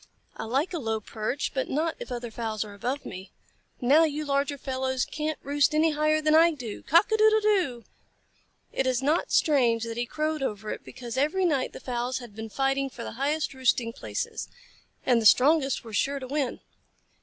I like a low perch, but not if other fowls are above me. Now you larger fellows can't roost any higher than I do. Cock a doodle doo!" It is not strange that he crowed over it, because every night the fowls had been fighting for the highest roosting places, and the strongest were sure to win.